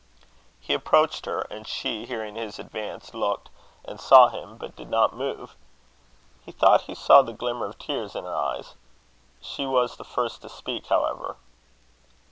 He approached her, and she, hearing his advance, looked, and saw him, but did not move. He thought he saw the glimmer of tears in her eyes. She was the first to speak, however.